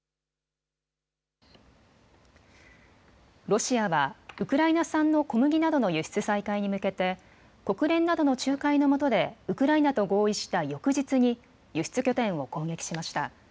ロシアはウクライナ産の小麦などの輸出再開に向けて国連などの仲介のもとでウクライナと合意した翌日に輸出拠点を攻撃しました。